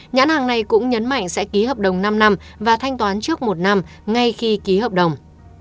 nhãn hàng này cũng nhấn mạnh sẽ ký hợp đồng năm năm và thanh toán trước một năm ngay khi ký hợp đồng